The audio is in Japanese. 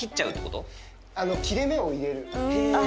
切れ目を入れる。